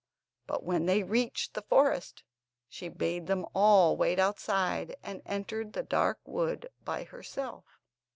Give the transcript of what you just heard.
But when they reached the forest, she bade them all wait outside, and entered the dark wood by herself.